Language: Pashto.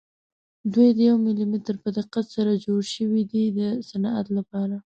دوی د یو ملي متر په دقت سره جوړ شوي دي د صنعت لپاره.